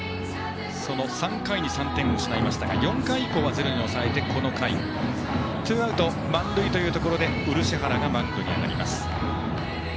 ３回に３点を失いましたが４回以降はゼロに抑えてこの回はツーアウト満塁というところで漆原がマウンドに上がります。